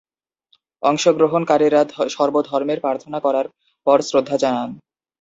অংশগ্রহণকারীরা সর্ব-ধর্মের প্রার্থনা করার পর শ্রদ্ধা জানান।